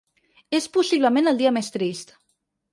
És possiblement el dia més trist.